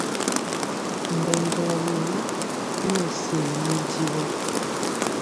Mbɛnjɔ yen i nɛ sewi mɛdivɔ.